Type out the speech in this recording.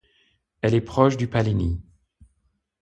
Elle est proche du paleni.